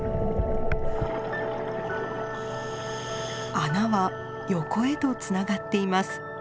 穴は横へとつながっています。